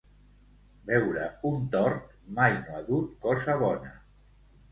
Veure un tort mai no ha dut cosa bona.